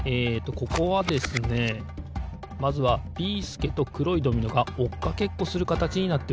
ここはですねまずはビーすけとくろいドミノがおっかけっこするかたちになってるんですよ。